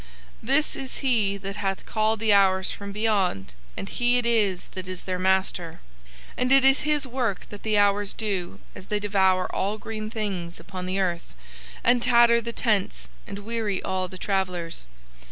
This is he that hath called the hours from beyond and he it is that is their master, and it is his work that the hours do as they devour all green things upon the earth and tatter the tents and weary all the travellers.